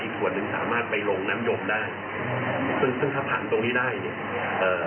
ส่วนหนึ่งสามารถไปลงน้ำยมได้ซึ่งซึ่งถ้าผ่านตรงนี้ได้เนี่ยเอ่อ